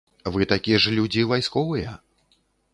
Вы такі ж людзі вайсковыя.